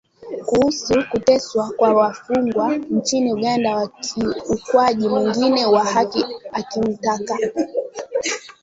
Kuhusu kuteswa kwa wafungwa nchini Uganda na ukiukwaji mwingine wa haki akimtaka.